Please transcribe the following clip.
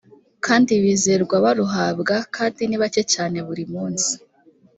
kandi bizerwa barubahwa kandi ni bake cyane buri munsi